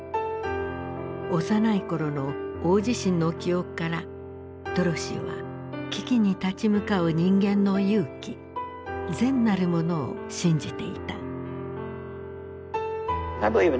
幼い頃の大地震の記憶からドロシーは危機に立ち向かう人間の勇気善なるものを信じていた。